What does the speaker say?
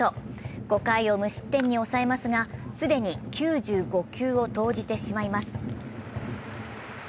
５回を無失点に抑えますが、既に９５球を投じてしまいます。